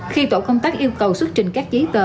khi tổ công tác yêu cầu xuất trình các giấy tờ